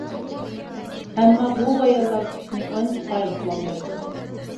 ئەمما بۇ بايانلار كىشىنى ئانچە قايىل قىلالمايدۇ.